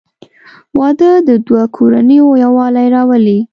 • واده د دوه کورنیو یووالی راولي.